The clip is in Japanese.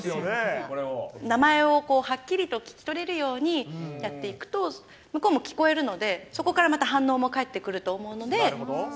名前をはっきりと聞き取れるようにやっていくと、向こうも聞こえるので、そこからまた反応も返ってくると思うので。